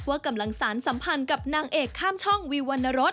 กำลังสารสัมพันธ์กับนางเอกข้ามช่องวิววรรณรส